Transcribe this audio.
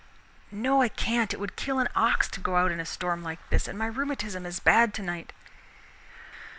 "No, I can't, it would kill an ox to go out in a storm like this, and my rheumatism is bad tonight."